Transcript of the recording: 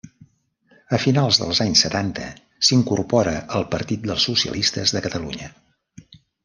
A finals dels anys setanta s'incorpora al Partit dels Socialistes de Catalunya.